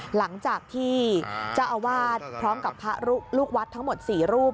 หลังจากที่เจ้าอาวาสพร้อมกับพระลูกวัดทั้งหมด๔รูป